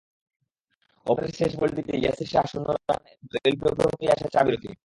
ওভারের শেষ বলটিতে ইয়াসির শাহ শূন্য রানে এলবিডব্লু হতেই আসে চা-বিরতি।